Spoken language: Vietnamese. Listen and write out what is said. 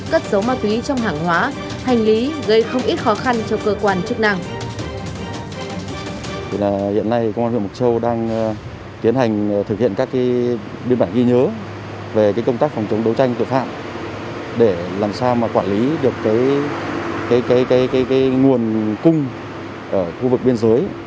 cất dấu ma túy trong hàng hóa hành lý gây không ít khó khăn cho cơ quan chức năng